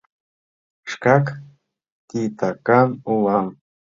— Шкак титакан улам...